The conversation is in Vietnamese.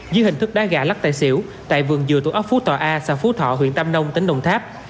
dưới hình thức đá gà lắc tài xỉu tại vương dưa thuộc ấp phú thọ a xã phú thọ huyện tam nông tỉnh đồng tháp